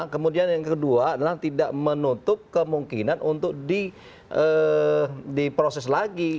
kemudian yang kedua adalah tidak menutup kemungkinan untuk diproses lagi